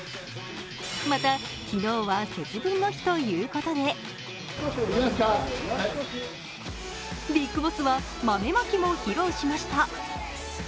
また、昨日は節分の日ということでビッグボスは豆まきも披露しました。